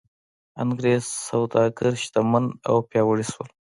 انګرېز سوداګر شتمن او پیاوړي شول.